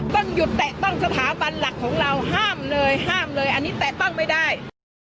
ต้องหยุดแตะต้องสถาบันหลักของเราห้ามเลยห้ามเลยอันนี้แตะต้องไม่ได้